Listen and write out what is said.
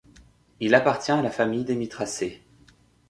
Il appartient à la famille des Myrtacées.